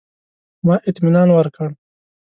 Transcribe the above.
ما اطمنان ورکړ.